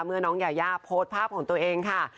น้องยายาโพสต์ภาพของตัวเองค่ะ